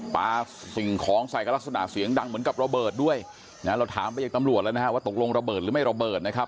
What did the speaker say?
ปลาสิ่งของใส่กันลักษณะเสียงดังเหมือนกับระเบิดด้วยนะเราถามไปยังตำรวจแล้วนะฮะว่าตกลงระเบิดหรือไม่ระเบิดนะครับ